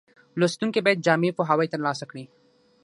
لوستونکي باید جامع پوهاوی ترلاسه کړي.